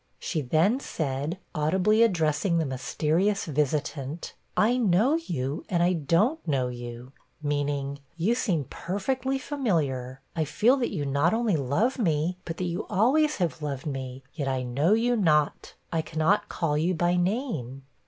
She then said, audibly addressing the mysterious visitant 'I know you, and I don't know you.' Meaning, 'You seem perfectly familiar; I feel that you not only love me, but that you always have loved me yet I know you not I cannot call you by name.'